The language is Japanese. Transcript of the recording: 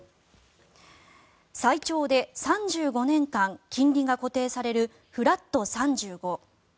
最長で３５年間金利が固定されるフラット３５。